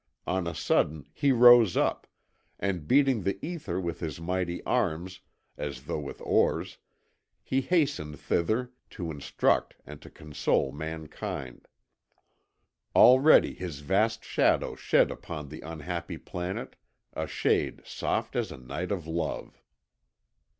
On a sudden he rose up, and beating the ether with his mighty arms, as though with oars, he hastened thither to instruct and to console mankind. Already his vast shadow shed upon the unhappy planet a shade soft as a night of love.